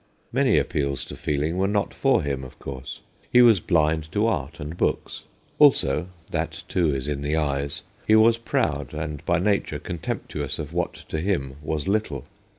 Many appeals to feeling were not for him, of course. He was blind to art and books. Also that, too, is in the eyes he was proud and by nature contemptuous of what to him was little.